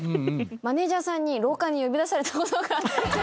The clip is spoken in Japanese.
マネジャーさんに廊下に呼び出されたことが。